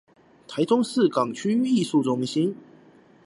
臺中市港區藝術中心